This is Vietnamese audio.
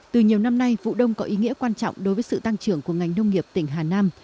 từ nhiều năm nay vụ đông có ý nghĩa quan trọng đối với sự tăng trưởng của ngành nông nghiệp tỉnh hà nam